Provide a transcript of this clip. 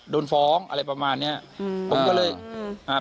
โดนฟ้องอะไรประมาณเนี้ยอืมผมก็เลยอืมอ่า